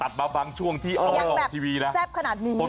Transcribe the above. ตัดมาบางช่วงที่ออกออกทีวีนะยังแบบแซ่บขนาดนิดนึง